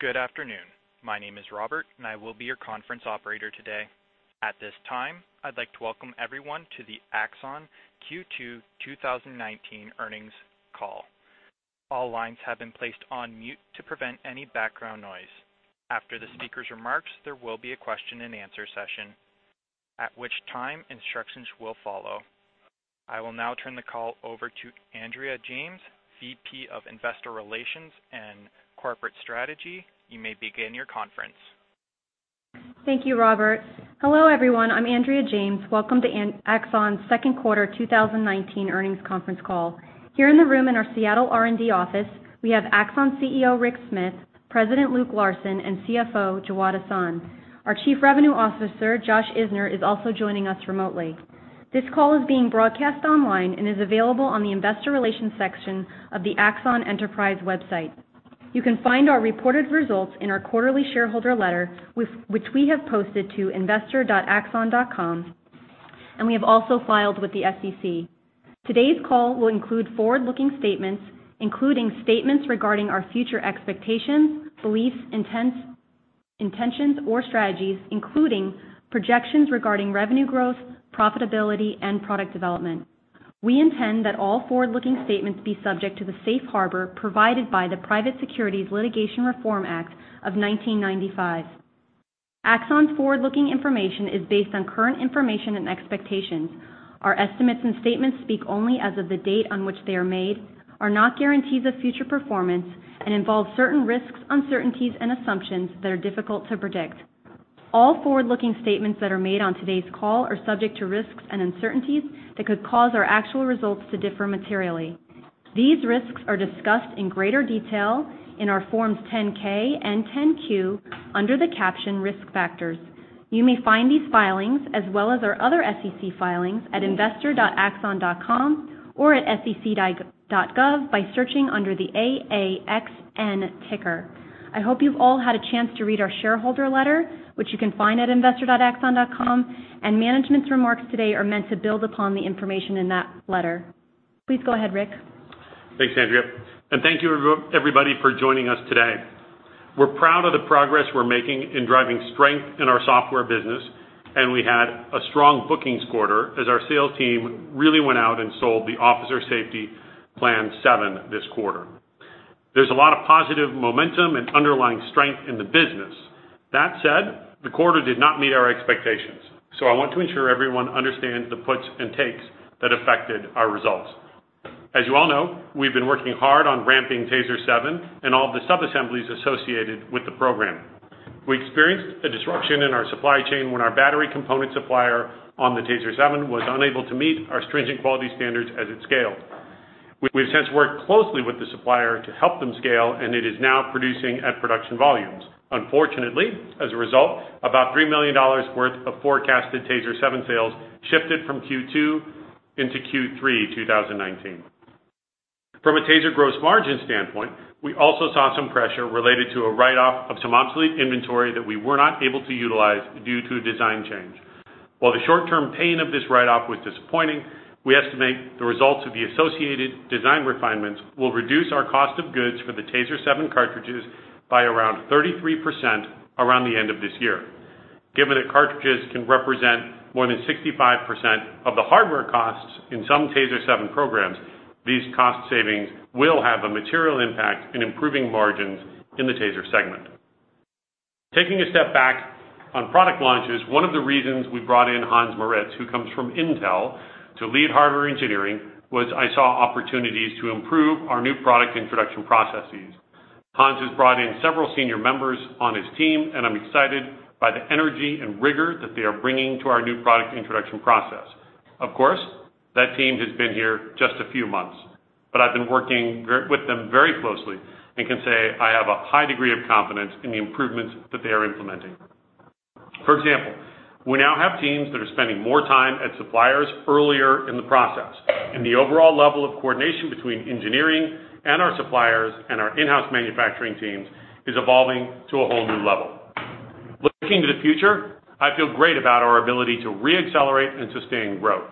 Good afternoon. My name is Robert, and I will be your conference operator today. At this time, I'd like to welcome everyone to the Axon Q2 2019 earnings call. All lines have been placed on mute to prevent any background noise. After the speaker's remarks, there will be a question and answer session, at which time instructions will follow. I will now turn the call over to Andrea James, VP of Investor Relations and Corporate Strategy. You may begin your conference. Thank you, Robert. Hello, everyone. I'm Andrea James. Welcome to Axon's second quarter 2019 earnings conference call. Here in the room in our Seattle R&D office, we have Axon CEO, Rick Smith, President, Luke Larson, and CFO, Jawad Ahsan. Our Chief Revenue Officer, Josh Isner, is also joining us remotely. This call is being broadcast online and is available on the investor relations section of the Axon Enterprise website. You can find our reported results in our quarterly shareholder letter, which we have posted to investor.axon.com, and we have also filed with the SEC. Today's call will include forward-looking statements, including statements regarding our future expectations, beliefs, intentions, or strategies, including projections regarding revenue growth, profitability, and product development. We intend that all forward-looking statements be subject to the safe harbor provided by the Private Securities Litigation Reform Act of 1995. Axon's forward-looking information is based on current information and expectations. Our estimates and statements speak only as of the date on which they are made, are not guarantees of future performance, and involve certain risks, uncertainties, and assumptions that are difficult to predict. All forward-looking statements that are made on today's call are subject to risks and uncertainties that could cause our actual results to differ materially. These risks are discussed in greater detail in our Forms 10-K and 10-Q under the caption, risk factors. You may find these filings, as well as our other SEC filings, at investor.axon.com or at sec.gov by searching under the AAXN ticker. I hope you've all had a chance to read our shareholder letter, which you can find at investor.axon.com, and management's remarks today are meant to build upon the information in that letter. Please go ahead, Rick. Thanks, Andrea. Thank you everybody for joining us today. We're proud of the progress we're making in driving strength in our software business. We had a strong bookings quarter as our sales team really went out and sold the Officer Safety Plan 7 this quarter. There's a lot of positive momentum and underlying strength in the business. That said, the quarter did not meet our expectations. I want to ensure everyone understands the puts and takes that affected our results. As you all know, we've been working hard on ramping TASER 7 and all the sub-assemblies associated with the program. We experienced a disruption in our supply chain when our battery component supplier on the TASER 7 was unable to meet our stringent quality standards as it scaled. We've since worked closely with the supplier to help them scale. It is now producing at production volumes. Unfortunately, as a result, about $3 million worth of forecasted TASER 7 sales shifted from Q2 into Q3 2019. From a TASER gross margin standpoint, we also saw some pressure related to a write-off of some obsolete inventory that we were not able to utilize due to a design change. While the short-term pain of this write-off was disappointing, we estimate the results of the associated design refinements will reduce our cost of goods for the TASER 7 cartridges by around 33% around the end of this year. Given that cartridges can represent more than 65% of the hardware costs in some TASER 7 programs, these cost savings will have a material impact in improving margins in the TASER segment. Taking a step back on product launches, one of the reasons we brought in Hans Moritz, who comes from Intel, to lead hardware engineering, was I saw opportunities to improve our new product introduction processes. Hans has brought in several senior members on his team. I'm excited by the energy and rigor that they are bringing to our new product introduction process. Of course, that team has been here just a few months. I've been working with them very closely and can say I have a high degree of confidence in the improvements that they are implementing. For example, we now have teams that are spending more time at suppliers earlier in the process. The overall level of coordination between engineering and our suppliers and our in-house manufacturing teams is evolving to a whole new level. Looking to the future, I feel great about our ability to re-accelerate and sustain growth.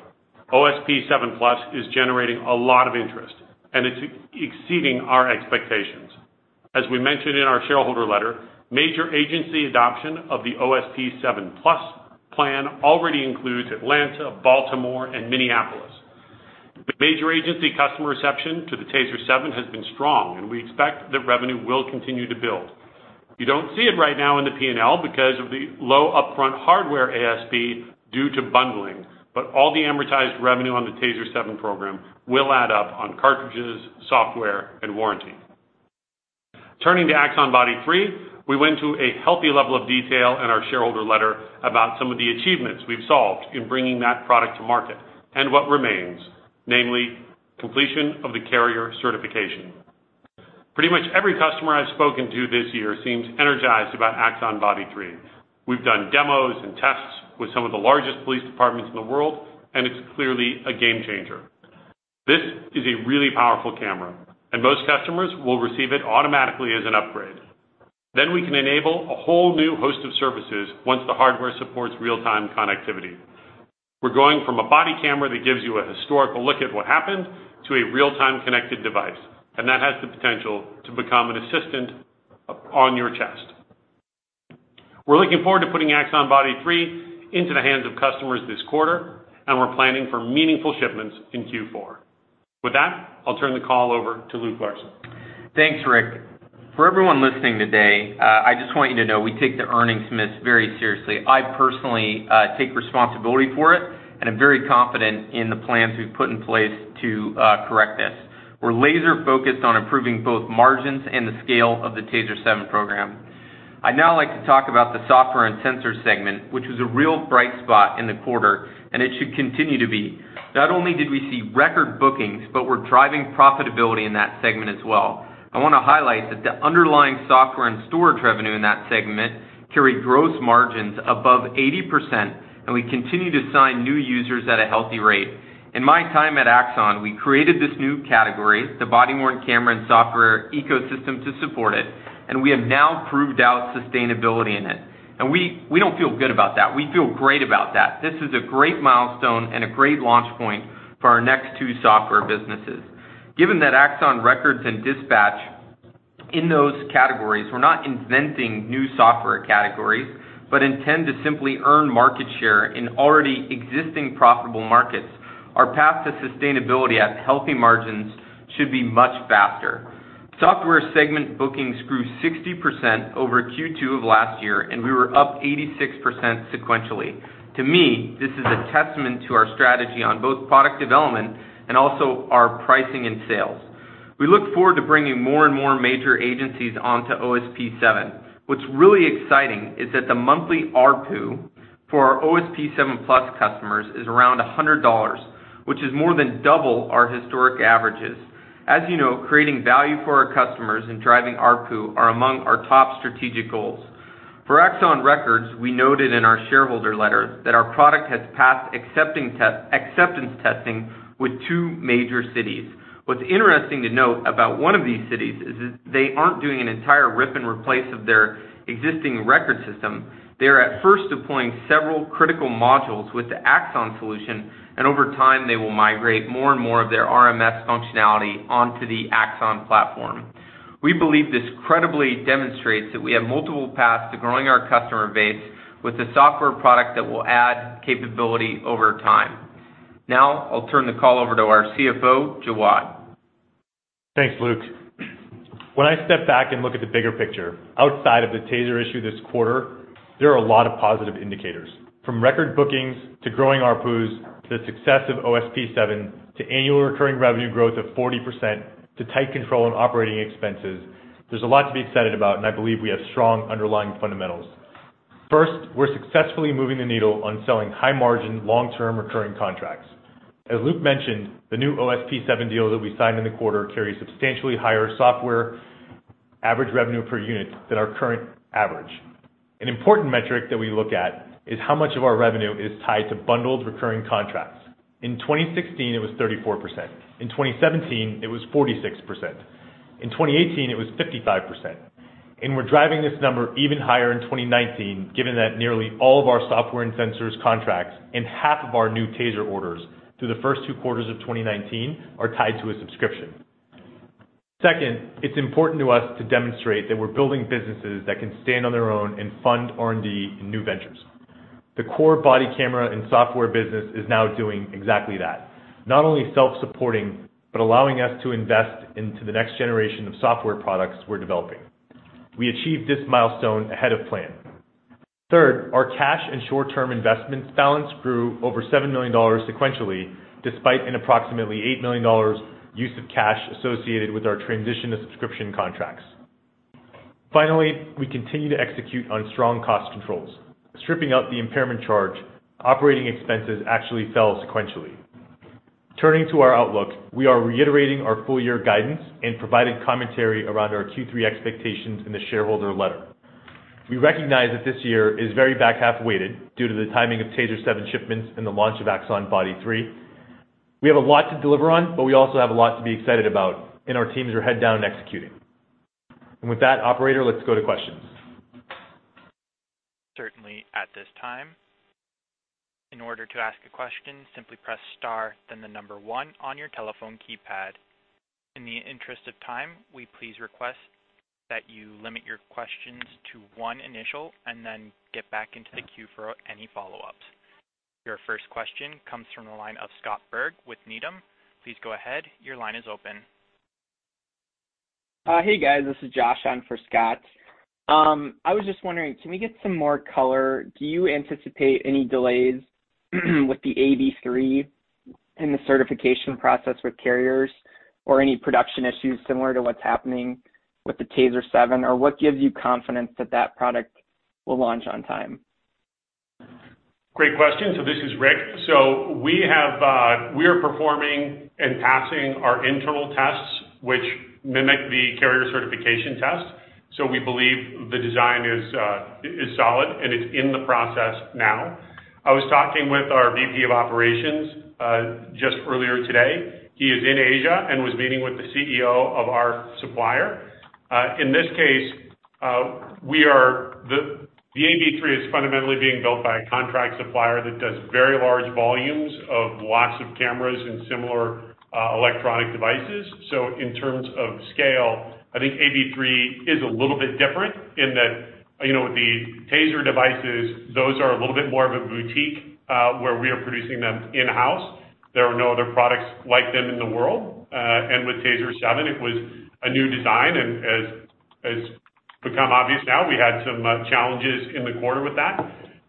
OSP 7+ is generating a lot of interest, and it's exceeding our expectations. As we mentioned in our shareholder letter, major agency adoption of the OSP 7+ plan already includes Atlanta, Baltimore, and Minneapolis. The major agency customer reception to the TASER 7 has been strong, and we expect that revenue will continue to build. You don't see it right now in the P&L because of the low upfront hardware ASP due to bundling, but all the amortized revenue on the TASER 7 program will add up on cartridges, software, and warranty. Turning to Axon Body 3, we went to a healthy level of detail in our shareholder letter about some of the achievements we've solved in bringing that product to market, and what remains, namely completion of the carrier certification. Pretty much every customer I've spoken to this year seems energized about Axon Body 3. We've done demos and tests with some of the largest police departments in the world, and it's clearly a game changer. This is a really powerful camera, and most customers will receive it automatically as an upgrade. We can enable a whole new host of services once the hardware supports real-time connectivity. We're going from a body camera that gives you a historical look at what happened to a real-time connected device, that has the potential to become an assistant on your chest. We're looking forward to putting Axon Body 3 into the hands of customers this quarter, and we're planning for meaningful shipments in Q4. With that, I'll turn the call over to Luke Larson. Thanks, Rick. For everyone listening today, I just want you to know we take the earnings miss very seriously. I personally take responsibility for it, and I'm very confident in the plans we've put in place to correct this. We're laser-focused on improving both margins and the scale of the TASER 7 program. I'd now like to talk about the Software & Sensor segment, which was a real bright spot in the quarter, and it should continue to be. Not only did we see record bookings, but we're driving profitability in that segment as well. I want to highlight that the underlying software and storage revenue in that segment carried gross margins above 80%, and we continue to sign new users at a healthy rate. In my time at Axon, we created this new category, the body-worn camera and software ecosystem to support it. We have now proved out sustainability in it. We don't feel good about that. We feel great about that. This is a great milestone and a great launch point for our next two software businesses. Given that Axon Records and Dispatch in those categories, we're not inventing new software categories, but intend to simply earn market share in already existing profitable markets. Our path to sustainability at healthy margins should be much faster. Software segment bookings grew 60% over Q2 of last year, and we were up 86% sequentially. To me, this is a testament to our strategy on both product development and also our pricing and sales. We look forward to bringing more and more major agencies onto OSP 7. What's really exciting is that the monthly ARPU for our OSP 7+ customers is around $100, which is more than double our historic averages. As you know, creating value for our customers and driving ARPU are among our top strategic goals. For Axon Records, we noted in our shareholder letter that our product has passed acceptance testing with two major cities. What's interesting to note about one of these cities is that they aren't doing an entire rip and replace of their existing records system. They are at first deploying several critical modules with the Axon solution, and over time, they will migrate more and more of their RMS functionality onto the Axon platform. We believe this credibly demonstrates that we have multiple paths to growing our customer base with a software product that will add capability over time. Now, I'll turn the call over to our CFO, Jawad. Thanks, Luke. When I step back and look at the bigger picture, outside of the TASER issue this quarter, there are a lot of positive indicators. From record bookings to growing ARPUs, to the success of OSP 7, to annual recurring revenue growth of 40%, to tight control on operating expenses, there's a lot to be excited about, and I believe we have strong underlying fundamentals. First, we're successfully moving the needle on selling high-margin, long-term recurring contracts. As Luke mentioned, the new OSP 7 deal that we signed in the quarter carries substantially higher software average revenue per unit than our current average. An important metric that we look at is how much of our revenue is tied to bundled recurring contracts. In 2016, it was 34%. In 2017, it was 46%. In 2018, it was 55%. We're driving this number even higher in 2019, given that nearly all of our software and sensors contracts and half of our new TASER orders through the first two quarters of 2019 are tied to a subscription. Second, it's important to us to demonstrate that we're building businesses that can stand on their own and fund R&D and new ventures. The core body camera and software business is now doing exactly that. Not only self-supporting, but allowing us to invest into the next generation of software products we're developing. We achieved this milestone ahead of plan. Third, our cash and short-term investment balance grew over $7 million sequentially, despite an approximately $8 million use of cash associated with our transition to subscription contracts. Finally, we continue to execute on strong cost controls. Stripping out the impairment charge, operating expenses actually fell sequentially. Turning to our outlook, we are reiterating our full-year guidance and providing commentary around our Q3 expectations in the shareholder letter. We recognize that this year is very back-half weighted due to the timing of TASER 7 shipments and the launch of Axon Body 3. We have a lot to deliver on, but we also have a lot to be excited about, and our teams are head down and executing. With that, operator, let's go to questions. Certainly at this time. In order to ask a question, simply press star, then the number one on your telephone keypad. In the interest of time, we please request that you limit your questions to one initial, and then get back into the queue for any follow-ups. Your first question comes from the line of Scott Berg with Needham. Please go ahead. Your line is open. Hey, guys. This is Josh on for Scott. I was just wondering, can we get some more color? Do you anticipate any delays with the AB3 in the certification process with carriers or any production issues similar to what's happening with the TASER 7? What gives you confidence that that product will launch on time? Great question. This is Rick. We are performing and passing our internal tests, which mimic the carrier certification test. We believe the design is solid, and it's in the process now. I was talking with our VP of Operations just earlier today. He is in Asia and was meeting with the CEO of our supplier. The AB3 is fundamentally being built by a contract supplier that does very large volumes of lots of cameras and similar electronic devices. In terms of scale, I think AB3 is a little bit different, in that with the TASER devices, those are a little bit more of a boutique where we are producing them in-house. There are no other products like them in the world. With TASER 7, it was a new design, and as has become obvious now, we had some challenges in the quarter with that.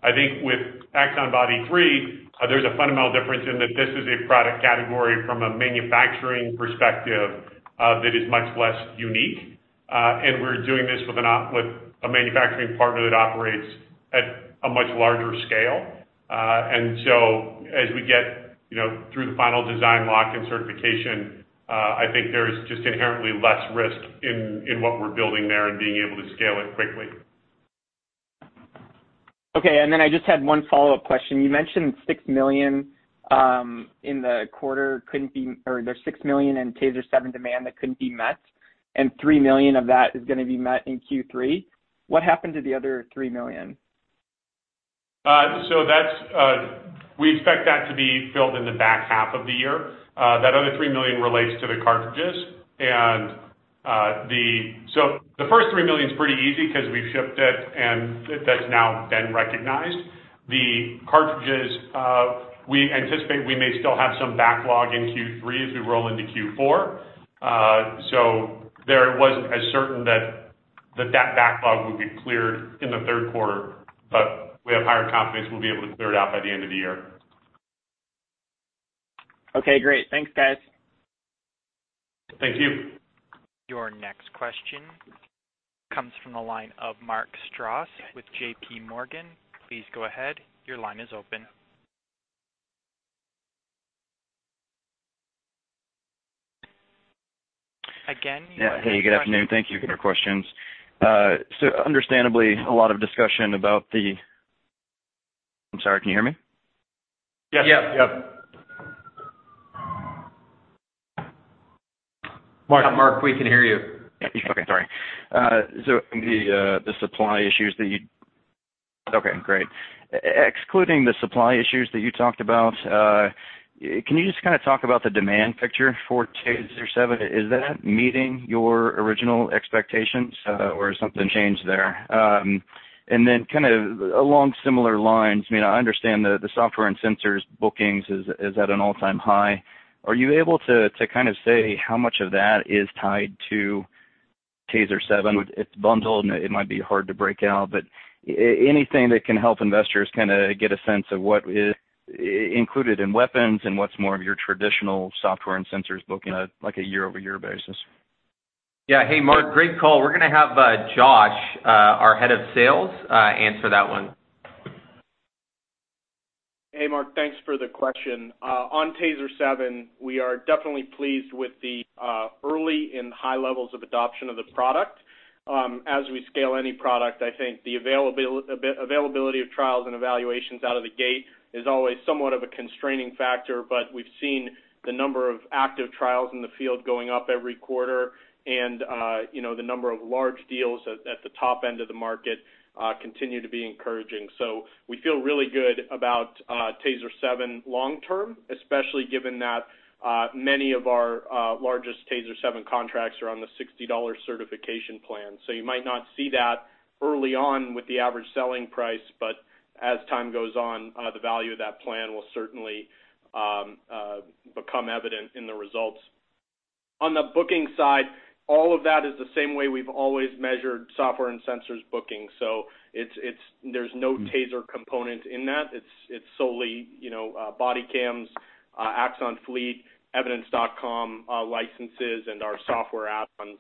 I think with Axon Body 3, there's a fundamental difference in that this is a product category from a manufacturing perspective that is much less unique. We're doing this with a manufacturing partner that operates at a much larger scale. As we get through the final design lock and certification, I think there is just inherently less risk in what we're building there and being able to scale it quickly. Okay. I just had one follow-up question. You mentioned $6 million in the quarter, or there's $6 million in TASER 7 demand that couldn't be met, and $3 million of that is going to be met in Q3. What happened to the other $3 million? We expect that to be filled in the back half of the year. That other $3 million relates to the cartridges. The first $3 million's pretty easy because we've shipped it, and that's now been recognized. The cartridges, we anticipate we may still have some backlog in Q3 as we roll into Q4. There it wasn't as certain that that backlog would get cleared in the third quarter, but we have higher confidence we'll be able to clear it out by the end of the year. Okay, great. Thanks, guys. Thank you. Your next question comes from the line of Mark Strouse with JPMorgan. Please go ahead. Your line is open. Yeah. Hey, good afternoon. Thank you for the questions. I'm sorry, can you hear me? Yes. Yep. Mark, we can hear you. Okay, sorry. Excluding the supply issues that you talked about, can you just kind of talk about the demand picture for TASER 7? Is that meeting your original expectations, or has something changed there? Kind of along similar lines, I understand that the software and sensors bookings is at an all-time high. Are you able to kind of say how much of that is tied to TASER 7? It's bundled and it might be hard to break out, but anything that can help investors kind of get a sense of what is included in weapons and what's more of your traditional software and sensors booking like a year-over-year basis. Yeah. Hey, Mark. Great call. We're going to have Josh, our head of sales, answer that one. Hey, Mark. Thanks for the question. On TASER 7, we are definitely pleased with the early and high levels of adoption of the product. As we scale any product, I think the availability of trials and evaluations out of the gate is always somewhat of a constraining factor, but we've seen the number of active trials in the field going up every quarter. The number of large deals at the top end of the market continue to be encouraging. We feel really good about TASER 7 long-term, especially given that many of our largest TASER 7 contracts are on the $60 certification plan. You might not see that early on with the average selling price, but as time goes on, the value of that plan will certainly become evident in the results. On the booking side, all of that is the same way we've always measured software and sensors booking. There's no TASER component in that. It's solely body cams, Axon Fleet, Evidence.com licenses, and our software add-ons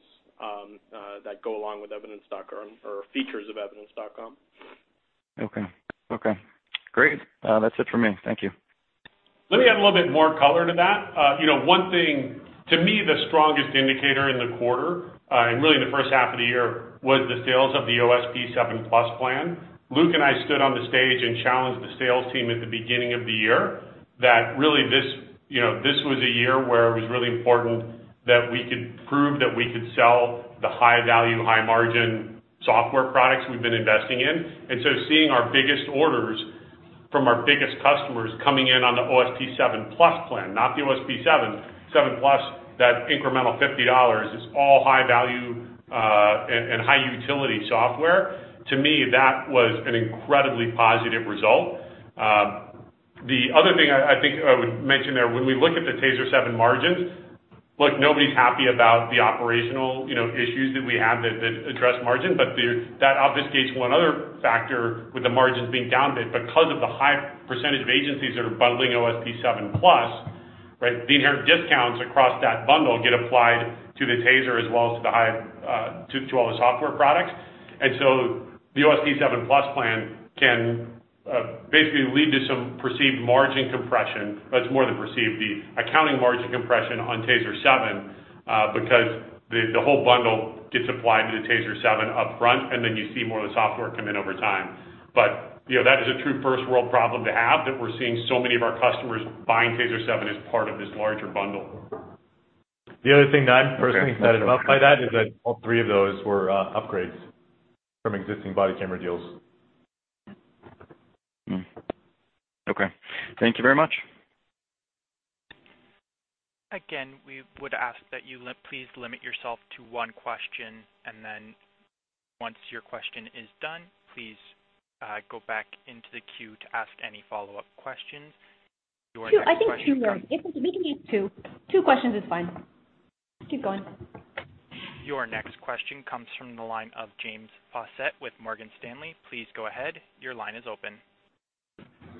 that go along with Evidence.com, or features of Evidence.com. Okay. Great. That's it from me. Thank you. Let me add a little bit more color to that. One thing, to me, the strongest indicator in the quarter, and really in the first half of the year, was the sales of the OSP 7+ plan. Luke and I stood on the stage and challenged the sales team at the beginning of the year that really this was a year where it was really important that we could prove that we could sell the high-value, high-margin software products we've been investing in. Seeing our biggest orders from our biggest customers coming in on the OSP 7+ plan, not the OSP 7, 7+, that incremental $50 is all high value and high utility software. To me, that was an incredibly positive result. The other thing I think I would mention there, when we look at the TASER 7 margins, look, nobody's happy about the operational issues that we have that address margin. That obfuscates one other factor with the margins being down a bit because of the high percentage of agencies that are bundling OSP 7+, right? The inherent discounts across that bundle get applied to the TASER as well as to all the software products. The OSP 7+ plan can basically lead to some perceived margin compression. That's more than perceived, the accounting margin compression on TASER 7, because the whole bundle gets applied to the TASER 7 upfront, and then you see more of the software come in over time. That is a true first-world problem to have, that we're seeing so many of our customers buying TASER 7 as part of this larger bundle. The other thing that I'm personally excited about by that is that all three of those were upgrades from existing body camera deals. Okay. Thank you very much. We would ask that you please limit yourself to one question, and then once your question is done, please go back into the queue to ask any follow-up questions. I think we can do two. Two questions is fine. Keep going. Your next question comes from the line of James Faucette with Morgan Stanley. Please go ahead. Your line is open.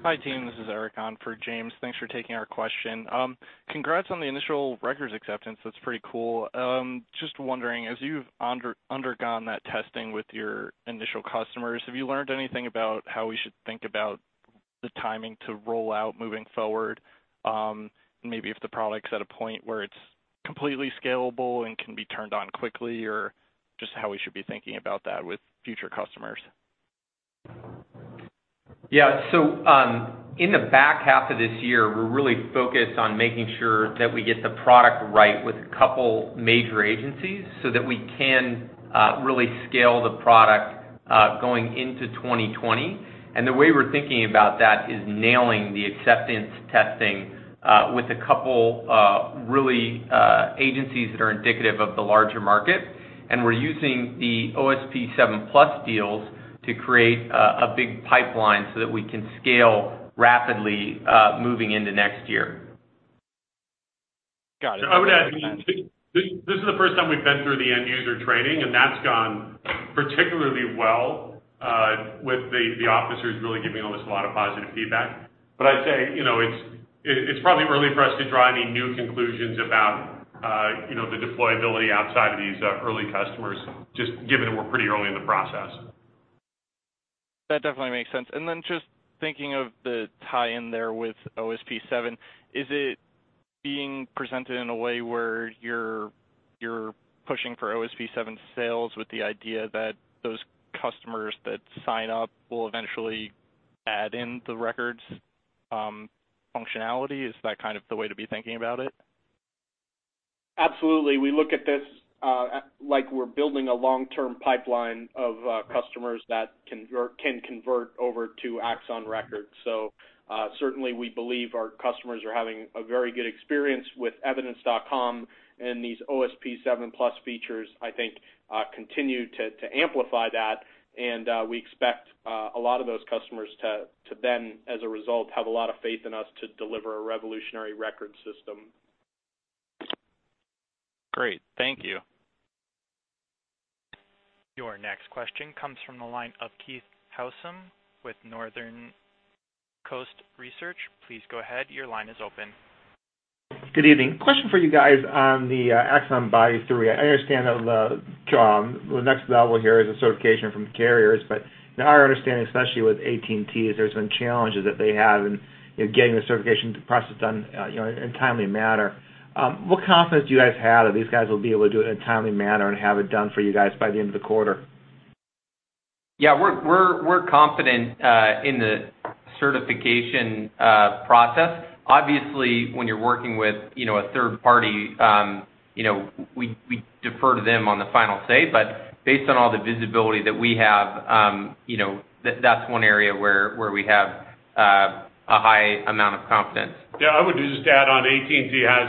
Hi, team. This is Eric on for James. Thanks for taking our question. Congrats on the initial Records acceptance. That's pretty cool. Just wondering, as you've undergone that testing with your initial customers, have you learned anything about how we should think about the timing to roll out moving forward? Maybe if the product's at a point where it's completely scalable and can be turned on quickly, or just how we should be thinking about that with future customers. Yeah. In the back half of this year, we're really focused on making sure that we get the product right with a couple major agencies so that we can really scale the product going into 2020. The way we're thinking about that is nailing the acceptance testing with a couple agencies that are indicative of the larger market, and we're using the OSP 7+ deals to create a big pipeline so that we can scale rapidly moving into next year. Got it. I would add, this is the first time we've been through the end-user training, and that's gone particularly well with the officers really giving us a lot of positive feedback. I'd say, it's probably early for us to draw any new conclusions about the deployability outside of these early customers, just given that we're pretty early in the process. That definitely makes sense. Just thinking of the tie-in there with OSP 7, is it being presented in a way where you're pushing for OSP 7 sales with the idea that those customers that sign up will eventually add in the Records functionality? Is that kind of the way to be thinking about it? Absolutely. We look at this like we're building a long-term pipeline of customers that can convert over to Axon Records. Certainly we believe our customers are having a very good experience with Evidence.com and these OSP 7+ features, I think, continue to amplify that, and we expect a lot of those customers to then, as a result, have a lot of faith in us to deliver a revolutionary records system. Great. Thank you. Your next question comes from the line of Keith Housum with Northcoast Research. Please go ahead. Your line is open. Good evening. Question for you guys on the Axon Body 3. I understand that the next level here is a certification from the carriers. In our understanding, especially with AT&T, there's been challenges that they have in getting the certification process done in a timely manner. What confidence do you guys have that these guys will be able to do it in a timely manner and have it done for you guys by the end of the quarter? Yeah. We're confident in the certification process. Obviously, when you're working with a third party, we defer to them on the final say, but based on all the visibility that we have, that's one area where we have a high amount of confidence. Yeah. I would just add on, AT&T has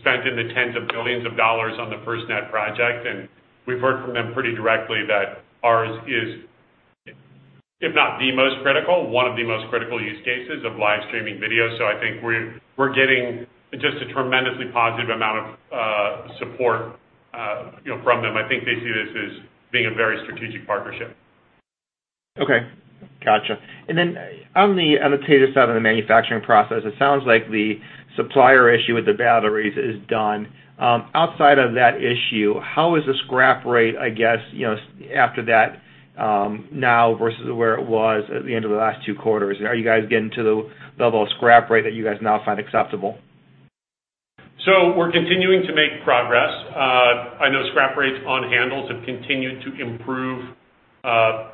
spent in the tens of billions of dollars on the FirstNet project. We've heard from them pretty directly that ours is, if not the most critical, one of the most critical use cases of live streaming video. I think we're getting just a tremendously positive amount of support from them. I think they see this as being a very strategic partnership. Okay. Got you. On the TASER side of the manufacturing process, it sounds like the supplier issue with the batteries is done. Outside of that issue, how is the scrap rate, I guess, after that now versus where it was at the end of the last two quarters? Are you guys getting to the level of scrap rate that you guys now find acceptable? We're continuing to make progress. I know scrap rates on handles have continued to improve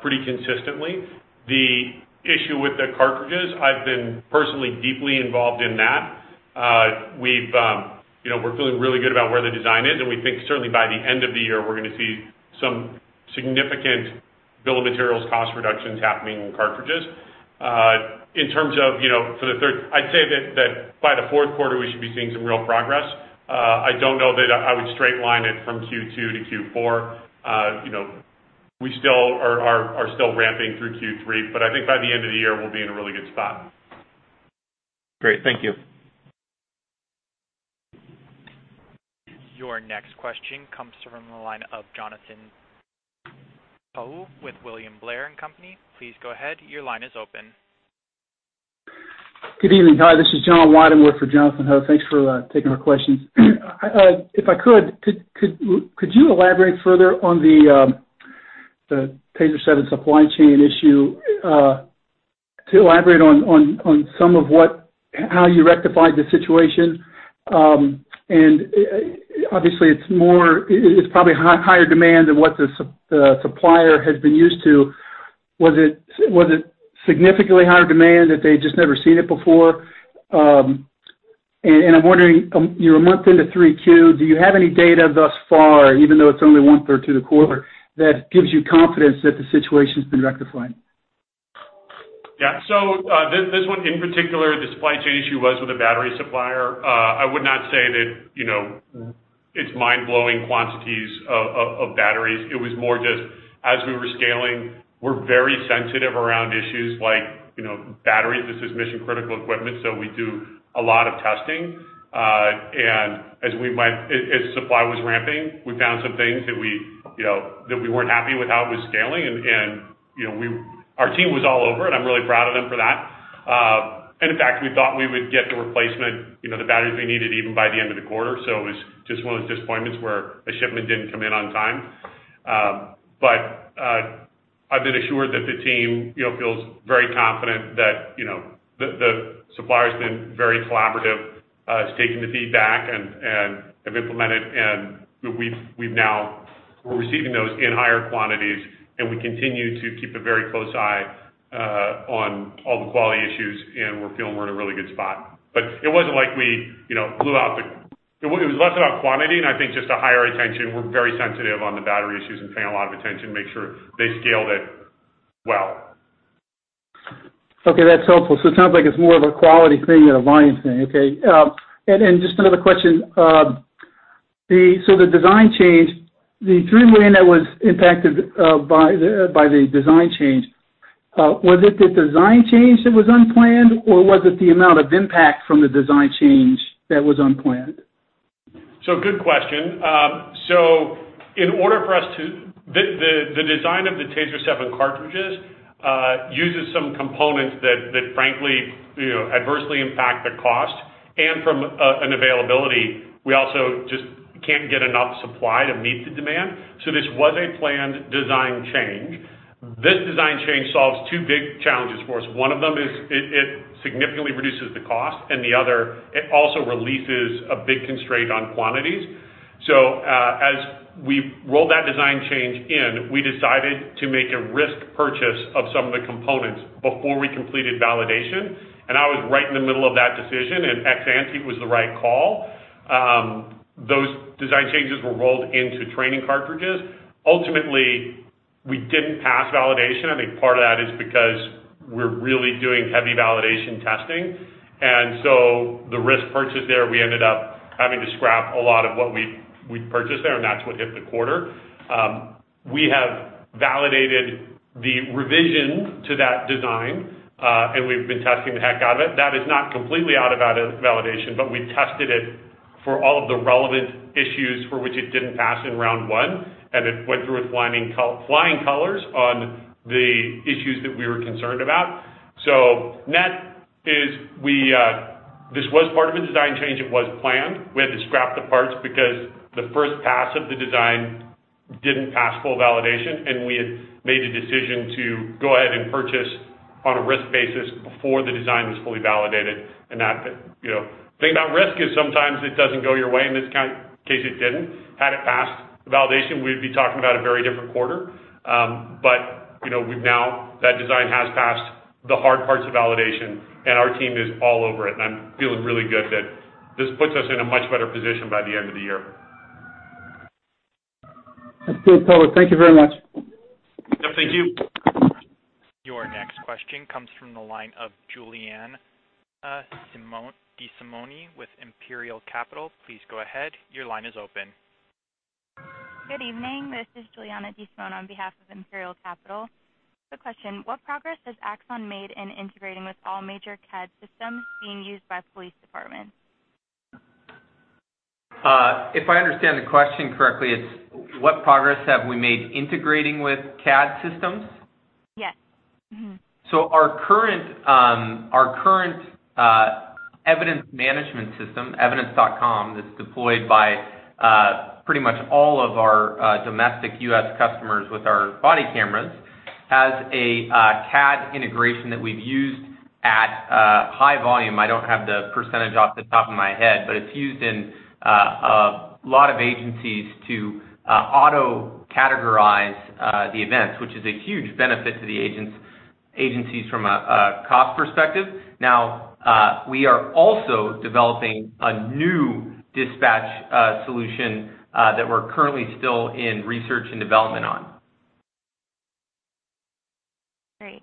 pretty consistently. The issue with the cartridges, I've been personally deeply involved in that. We're feeling really good about where the design is, and we think certainly by the end of the year, we're going to see some significant building materials cost reductions happening in cartridges. I'd say that by the fourth quarter, we should be seeing some real progress. I don't know that I would straight line it from Q2 to Q4. We still are ramping through Q3, but I think by the end of the year, we'll be in a really good spot. Great. Thank you. Your next question comes from the line of Jonathan Ho with William Blair & Company. Please go ahead. Your line is open. Good evening. Hi, this is John Weidemoyer with Jonathan Ho. Thanks for taking our questions. If I could, could you elaborate further on the TASER 7 supply chain issue, to elaborate on some of how you rectified the situation? Obviously, it's probably higher demand than what the supplier has been used to. Was it significantly higher demand that they just never seen it before? I'm wondering, you're a month into 3Q, do you have any data thus far, even though it's only one-third to the quarter, that gives you confidence that the situation's been rectified? Yeah. This one in particular, the supply chain issue was with a battery supplier. I would not say that it's mind-blowing quantities of batteries. It was more just as we were scaling, we're very sensitive around issues like batteries. This is mission-critical equipment, so we do a lot of testing. As supply was ramping, we found some things that we weren't happy with how it was scaling and our team was all over it, I'm really proud of them for that. In fact, we thought we would get the replacement, the batteries we needed even by the end of the quarter. It was just one of those disappointments where a shipment didn't come in on time. I've been assured that the team feels very confident that the supplier's been very collaborative, has taken the feedback, and have implemented, and we're receiving those in higher quantities, and we continue to keep a very close eye on all the quality issues, and we're feeling we're in a really good spot. It was less about quantity, and I think just a higher attention. We're very sensitive on the battery issues and paying a lot of attention to make sure they scaled it well. That's helpful. It sounds like it's more of a quality thing than a volume thing. Okay. Just another question. The design change, the $3 million that was impacted by the design change, was it the design change that was unplanned, or was it the amount of impact from the design change that was unplanned? Good question. The design of the TASER 7 cartridges uses some components that frankly, adversely impact the cost. From an availability, we also just can't get enough supply to meet the demand. This was a planned design change. This design change solves two big challenges for us. One of them is it significantly reduces the cost, and the other, it also releases a big constraint on quantities. As we rolled that design change in, we decided to make a risk purchase of some of the components before we completed validation. I was right in the middle of that decision, and ex ante was the right call. Those design changes were rolled into training cartridges. Ultimately, we didn't pass validation. I think part of that is because we're really doing heavy validation testing. The risk purchase there, we ended up having to scrap a lot of what we purchased there, and that's what hit the quarter. We have validated the revision to that design, and we've been testing the heck out of it. That is not completely out of validation, but we tested it for all of the relevant issues for which it didn't pass in round one, and it went through with flying colors on the issues that we were concerned about. Net is, this was part of a design change. It was planned. We had to scrap the parts because the first pass of the design didn't pass full validation, and we had made a decision to go ahead and purchase on a risk basis before the design was fully validated. The thing about risk is sometimes it doesn't go your way. In this case, it didn't. Had it passed the validation, we'd be talking about a very different quarter. Now, that design has passed the hard parts of validation, and our team is all over it. I'm feeling really good that this puts us in a much better position by the end of the year. That's a good color. Thank you very much. Yep. Thank you. Your next question comes from the line of Julianna DeSimone with Imperial Capital. Please go ahead. Your line is open. Good evening. This is Julianna DeSimone on behalf of Imperial Capital. Quick question. What progress has Axon made in integrating with all major CAD systems being used by police departments? If I understand the question correctly, it's what progress have we made integrating with CAD systems? Yes. Our current evidence management system, Evidence.com, that's deployed by pretty much all of our domestic U.S. customers with our body cameras, has a CAD integration that we've used at high volume. I don't have the percentage off the top of my head, but it's used in a lot of agencies to auto-categorize the events, which is a huge benefit to the agencies from a cost perspective. We are also developing a new dispatch solution that we're currently still in research and development on. Great.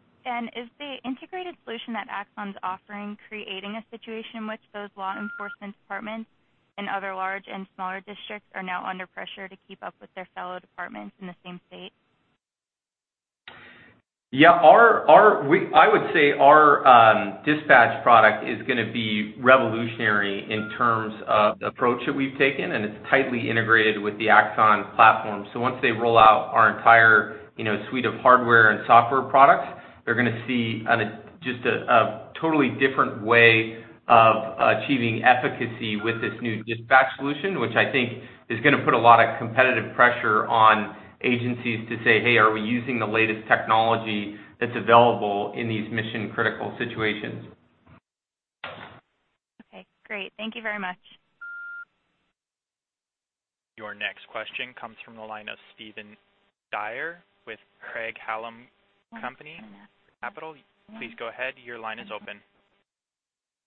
Is the integrated solution that Axon's offering creating a situation in which those law enforcement departments and other large and smaller districts are now under pressure to keep up with their fellow departments in the same state? Yeah. I would say our Dispatch product is going to be revolutionary in terms of the approach that we've taken, and it's tightly integrated with the Axon platform. Once they roll out our entire suite of hardware and software products, they're going to see just a totally different way of achieving efficacy with this new dispatch solution, which I think is going to put a lot of competitive pressure on agencies to say, hey, are we using the latest technology that's available in these mission-critical situations? Okay, great. Thank you very much. Question comes from the line of Steven Dyer with Craig-Hallum Capital. Please go ahead. Your line is open.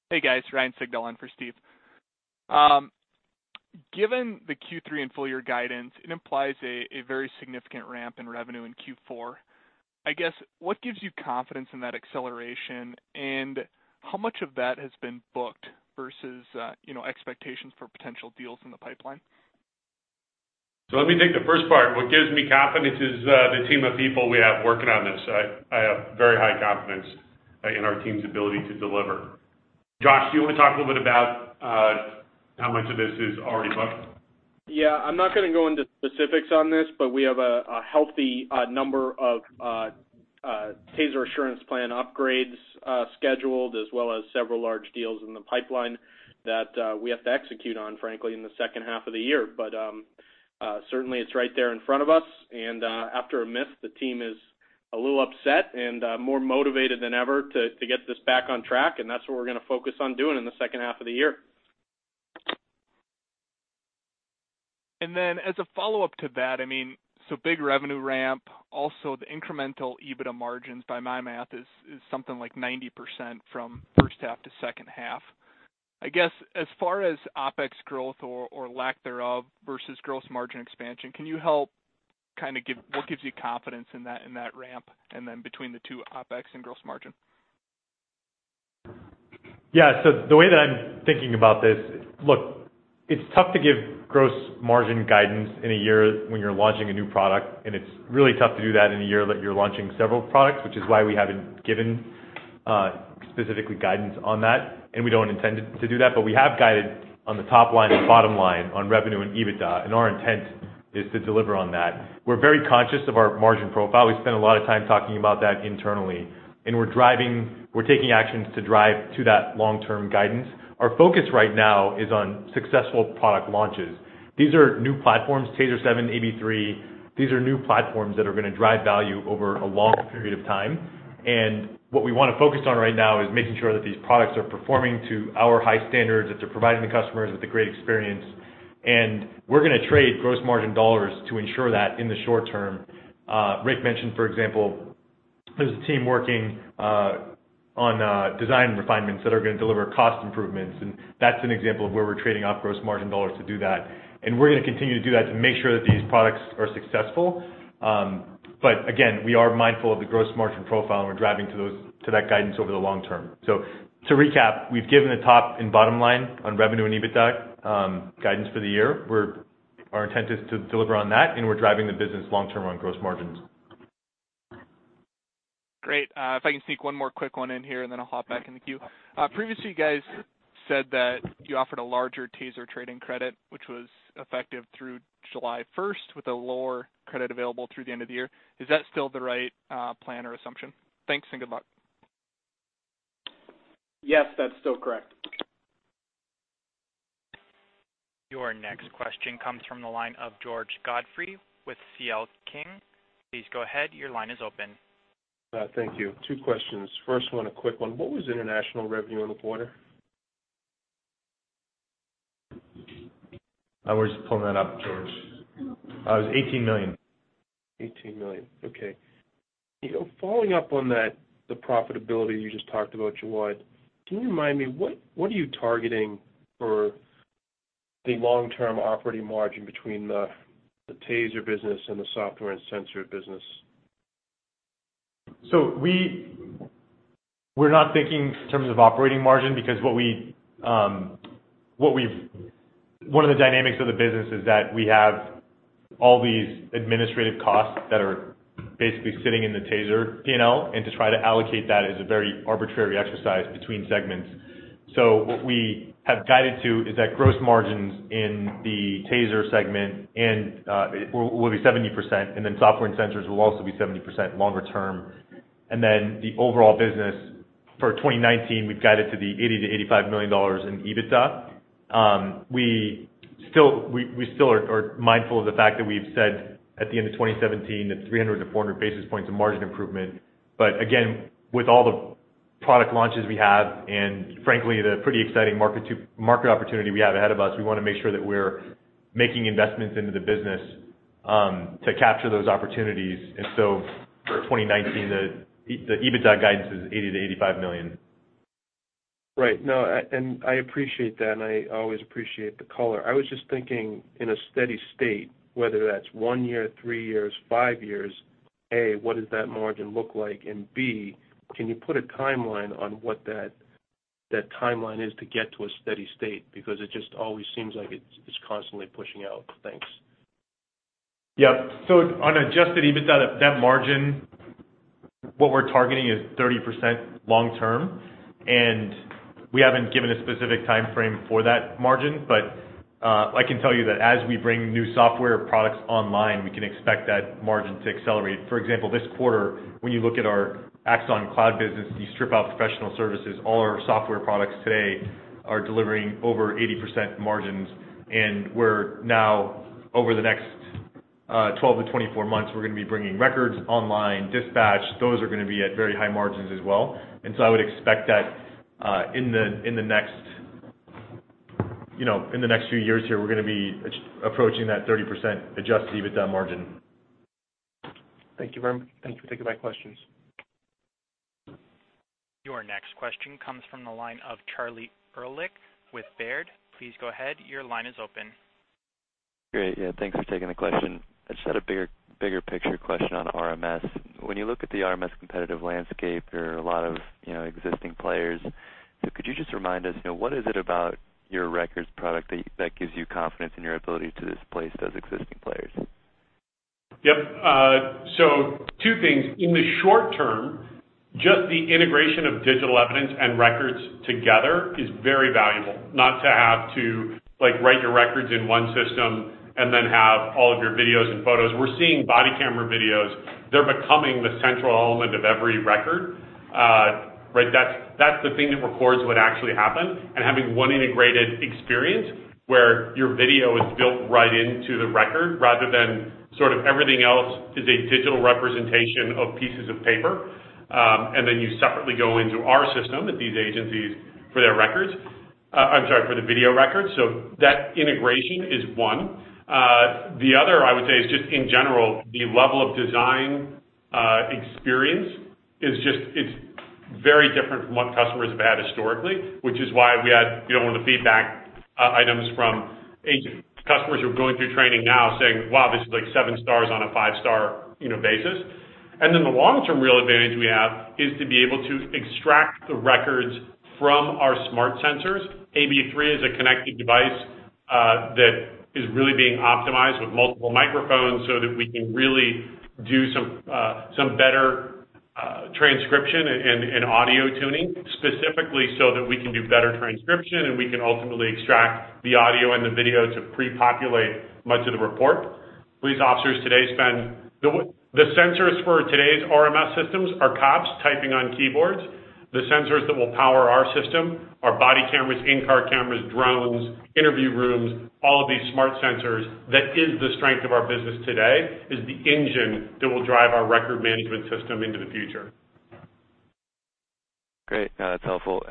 Hey, guys. Ryan Sigdahl on for Steve. Given the Q3 and full year guidance, it implies a very significant ramp in revenue in Q4. I guess, what gives you confidence in that acceleration, and how much of that has been booked versus expectations for potential deals in the pipeline? Let me take the first part. What gives me confidence is the team of people we have working on this. I have very high confidence in our team's ability to deliver. Josh, do you want to talk a little bit about how much of this is already booked? Yeah. I'm not going to go into specifics on this, but we have a healthy number of TASER Assurance Plan upgrades scheduled, as well as several large deals in the pipeline that we have to execute on, frankly, in the second half of the year. Certainly, it's right there in front of us. After a miss, the team is a little upset and more motivated than ever to get this back on track, and that's what we're going to focus on doing in the second half of the year. As a follow-up to that, big revenue ramp, also the incremental EBITDA margins by my math is something like 90% from first half to second half. I guess, as far as OpEx growth or lack thereof versus gross margin expansion, can you help, what gives you confidence in that ramp, and then between the two, OpEx and gross margin? Yeah. The way that I'm thinking about this, look, it's tough to give gross margin guidance in a year when you're launching a new product, and it's really tough to do that in a year that you're launching several products, which is why we haven't given specific guidance on that, and we don't intend to do that. We have guided on the top line and bottom line on revenue and EBITDA, and our intent is to deliver on that. We're very conscious of our margin profile. We spend a lot of time talking about that internally, and we're taking actions to drive to that long-term guidance. Our focus right now is on successful product launches. These are new platforms, TASER 7, AB3. These are new platforms that are going to drive value over a long period of time. What we want to focus on right now is making sure that these products are performing to our high standards, that they're providing the customers with a great experience. We're going to trade gross margin dollars to ensure that in the short term. Rick mentioned, for example, there's a team working on design refinements that are going to deliver cost improvements, and that's an example of where we're trading off gross margin dollars to do that. We're going to continue to do that to make sure that these products are successful. Again, we are mindful of the gross margin profile, and we're driving to that guidance over the long term. To recap, we've given a top and bottom line on revenue and EBITDA guidance for the year. Our intent is to deliver on that, and we're driving the business long term on gross margins. Great. If I can sneak one more quick one in here, and then I'll hop back in the queue. Previously, you guys said that you offered a larger TASER trade-in credit, which was effective through July 1st with a lower credit available through the end of the year. Is that still the right plan or assumption? Thanks, and good luck. Yes, that's still correct. Your next question comes from the line of George Godfrey with CL King. Please go ahead. Your line is open. Thank you. Two questions. First one, a quick one. What was international revenue in the quarter? I was just pulling that up, George. It was $18 million. $18 million. Okay. Following up on that, the profitability you just talked about, Jawad. Can you remind me, what are you targeting for the long-term operating margin between the TASER business and the Software & Sensor business? We're not thinking in terms of operating margin because one of the dynamics of the business is that we have all these administrative costs that are basically sitting in the TASER P&L. To try to allocate that is a very arbitrary exercise between segments. What we have guided to is that gross margins in the TASER segment will be 70%, Software & Sensors will also be 70% longer term. The overall business for 2019, we've guided to the $80 million-$85 million in EBITDA. We still are mindful of the fact that we've said at the end of 2017, that 300-400 basis points of margin improvement. Again, with all the product launches we have, and frankly, the pretty exciting market opportunity we have ahead of us, we want to make sure that we're making investments into the business to capture those opportunities. For 2019, the EBITDA guidance is $80 million-$85 million. Right. No, I appreciate that, and I always appreciate the color. I was just thinking in a steady state, whether that's one year, three years, five years, A, what does that margin look like? B, can you put a timeline on what that timeline is to get to a steady state? Because it just always seems like it's constantly pushing out. Thanks. On adjusted EBITDA, that margin, what we're targeting is 30% long term, and we haven't given a specific timeframe for that margin. I can tell you that as we bring new software products online, we can expect that margin to accelerate. For example, this quarter, when you look at our Axon Cloud business, you strip out professional services. All our software products today are delivering over 80% margins. 12-24 months, we're going to be bringing records, online dispatch. Those are going to be at very high margins as well. I would expect that in the next few years here, we're going to be approaching that 30% adjusted EBITDA margin. Thank you for taking my questions. Your next question comes from the line of Charlie Erlikh with Baird. Please go ahead. Your line is open. Great. Yeah, thanks for taking the question. I just had a bigger picture question on RMS. When you look at the RMS competitive landscape, there are a lot of existing players. Could you just remind us, what is it about your Records product that gives you confidence in your ability to displace those existing players? Yep. Two things. In the short term, just the integration of digital evidence and records together is very valuable. Not to have to write your records in one system and then have all of your videos and photos. We're seeing body camera videos. They're becoming the central element of every record. That's the thing that records what actually happened, and having one integrated experience where your video is built right into the record rather than sort of everything else is a digital representation of pieces of paper, and then you separately go into our system at these agencies for their records, I'm sorry, for the video records. That integration is one. The other, I would say, is just in general, the level of design experience is very different from what customers have had historically, which is why we had one of the feedback items from customers who are going through training now saying, "Wow, this is like seven stars on a five-star basis." The long-term real advantage we have is to be able to extract the records from our smart sensors. AB3 is a connected device that is really being optimized with multiple microphones so that we can really do some better transcription and audio tuning, specifically so that we can do better transcription, and we can ultimately extract the audio and the video to pre-populate much of the report. The sensors for today's RMS systems are cops typing on keyboards. The sensors that will power our system are body cameras, in-car cameras, drones, interview rooms, all of these smart sensors. That is the strength of our business today, is the engine that will drive our records management system into the future. Great. No, that's helpful.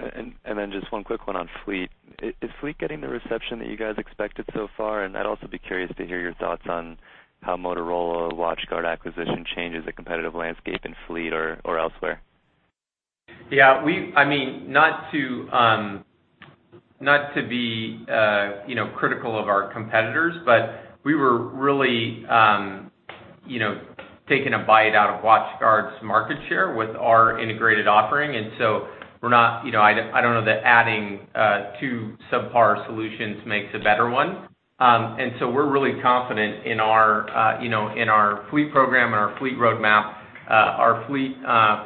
Just one quick one on Fleet. Is Fleet getting the reception that you guys expected so far? I'd also be curious to hear your thoughts on how Motorola WatchGuard acquisition changes the competitive landscape in Fleet or elsewhere. Not to be critical of our competitors, but we were really taking a bite out of WatchGuard's market share with our integrated offering. I don't know that adding two subpar solutions makes a better one. We're really confident in our Fleet program and our Fleet roadmap. Our Fleet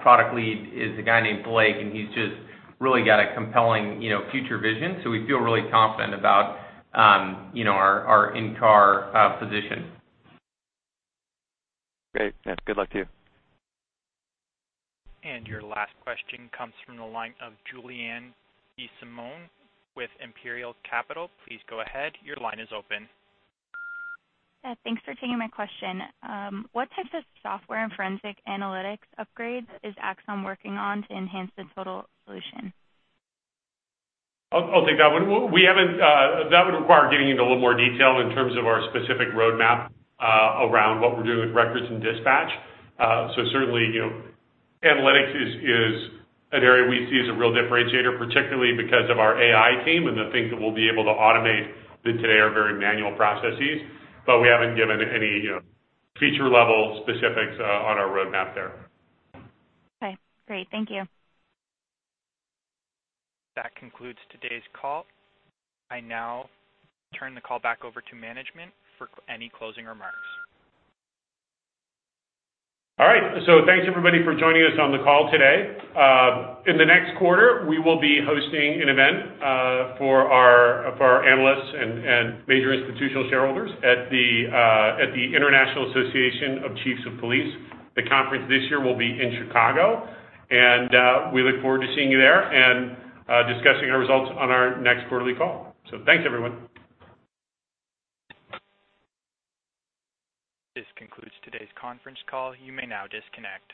product lead is a guy named Blake, and he's just really got a compelling future vision. We feel really confident about our in-car position. Great. Good luck to you. Your last question comes from the line of Julianna DeSimone with Imperial Capital. Please go ahead. Your line is open. Yeah, thanks for taking my question. What types of software and forensic analytics upgrades is Axon working on to enhance the total solution? I'll take that one. That would require getting into a little more detail in terms of our specific roadmap around what we're doing with records and dispatch. Certainly, analytics is an area we see as a real differentiator, particularly because of our AI team and the things that we'll be able to automate that today are very manual processes. We haven't given any feature-level specifics on our roadmap there. Okay, great. Thank you. That concludes today's call. I now turn the call back over to management for any closing remarks. All right. Thanks everybody for joining us on the call today. In the next quarter, we will be hosting an event for our analysts and major institutional shareholders at the International Association of Chiefs of Police. The conference this year will be in Chicago, and we look forward to seeing you there and discussing our results on our next quarterly call. Thanks, everyone. This concludes today's conference call. You may now disconnect.